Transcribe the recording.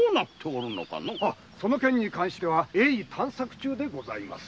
その件に関しては鋭意探索中でございます。